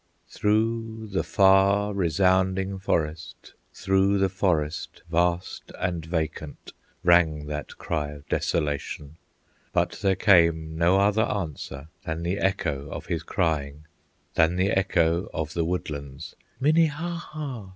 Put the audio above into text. Through the far resounding forest, Through the forest vast and vacant Rang that cry of desolation, But there came no other answer Than the echo of his crying, Than the echo of the woodlands, "Minnehaha!